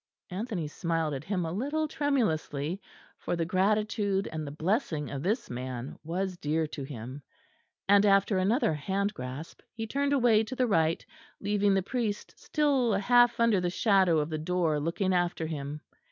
Anthony smiled at him a little tremulously, for the gratitude and the blessing of this man was dear to him; and after another hand grasp, he turned away to the right, leaving the priest still half under the shadow of the door looking after him.